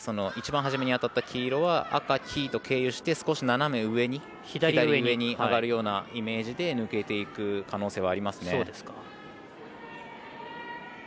一番初めに当たった黄色は、赤、黄と経由して少し斜め上に上がるようなイメージで抜けていく可能性はありますね。